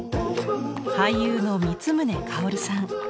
俳優の光宗薫さん。